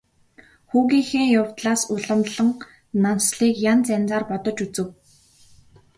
Хүүгийнхээ явдлаас уламлан Нансалыг янз янзаар бодож үзэв.